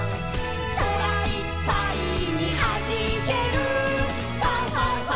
「そらいっぱいにはじける」「ファンファンファン！